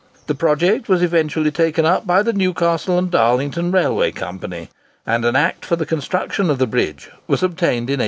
The project was eventually taken up by the Newcastle and Darlington Railway Company, and an Act for the construction of the bridge was obtained in 1845.